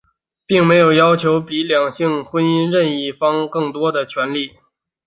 并没有要求比两性婚姻任一方更多的权利。